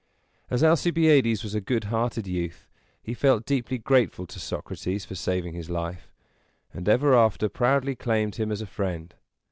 As Alcibiades was a good hearted youth, he felt deeply grateful to Socrates for saving his life, and ever after proudly claimed him as a friend.